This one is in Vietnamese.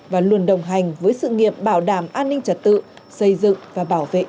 và luôn đồng hành với sự nghiệp bảo đảm an ninh trật tự xây dựng và bảo vệ